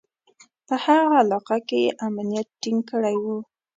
په هغه علاقه کې یې امنیت ټینګ کړی و.